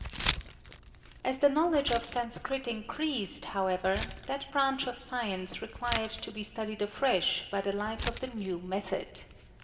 As the knowledge of Sanskrit increased, however, that branch of science required to be studied afresh by the light of the new method.